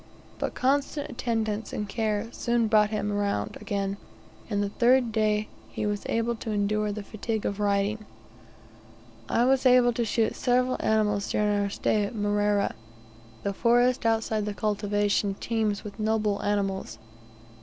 But constant attendance and care soon brought him round again; and on the third day he was able to endure the fatigue of riding. I was able to shoot several animals during our stay at Mrera. The forest outside of the cultivation teems with noble animals.